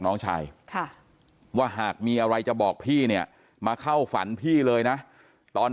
น้องชายว่าหากมีอะไรจะบอกพี่เนี่ยมาเข้าฝันพี่เลยนะตอน